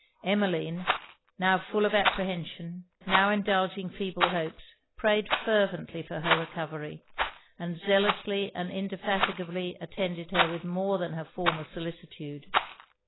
Emmeline, now full of apprehension, now indulging feeble hopes, prayed fervently for her recovery; and zealously and indefatigably attended her with more than her former solicitude.